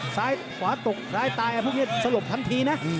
ซ้ายขวาตกซ้ายตายพวกนี้สลบทันทีนะ